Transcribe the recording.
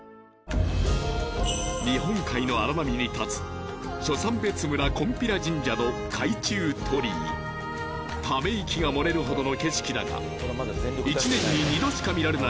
日本海の荒波に立つ初山別村「金比羅神社」の海中鳥居ため息が漏れるほどの景色だが１年に２度しか見られない